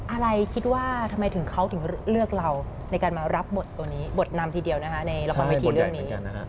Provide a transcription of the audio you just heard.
อะไรคิดว่าทำไมถึงเขาถึงเลือกเราในการมารับบทตัวนี้บทนำทีเดียวนะคะในละครเวทีเรื่องนี้